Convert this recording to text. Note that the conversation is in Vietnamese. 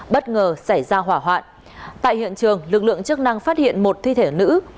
bất ngờ xảy ra hỏa hoạn tại hiện trường lực lượng chức năng phát hiện một thi thể nữ